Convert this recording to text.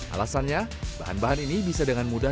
alasannya bahan bahan ini bisa dengan mudah